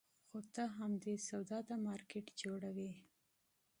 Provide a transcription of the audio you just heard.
خو ته همدې سودا ته مارکېټ جوړوې.